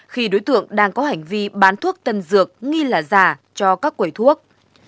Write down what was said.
khi đối tượng đang có hành vi bán thuốc tân dược nghi là giả cho các quầy thuốc